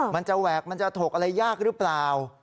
มันจะแหวกมันจะถกอะไรยากหรือเปล่า